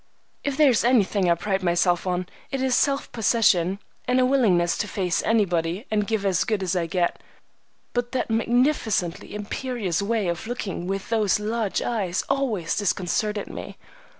If there is anything I pride myself on, it is self possession and a willingness to face anybody and give as good as I get, but that magnificently imperious way of looking with those large eyes always disconcerted me.